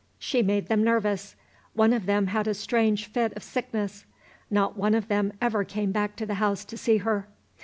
She made them nervous; one of them had a strange fit of sickness; not one of them ever came back to the house to see her.